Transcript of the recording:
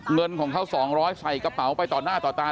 เงินของเค้าสองร้อยใส่กระเป๋าไปต่อหน้าต่อตาน